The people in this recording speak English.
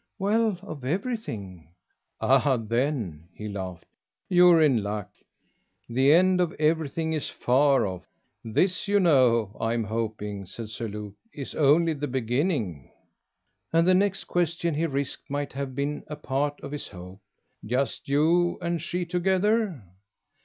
"Well of everything." "Ah then," he laughed, "you're in luck. The end of everything is far off. This, you know, I'm hoping," said Sir Luke, "is only the beginning." And the next question he risked might have been a part of his hope. "Just you and she together?"